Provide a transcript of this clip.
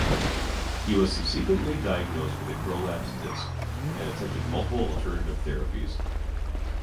He was subsequently diagnosed with a prolapsed disc, and attempted multiple alternative therapies.